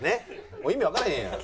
もう意味わからへんやん。